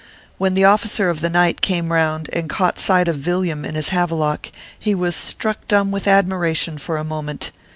When the officer of the night came round and caught sight of Villiam in his Havelock, he was struck dumb with admiration for a moment.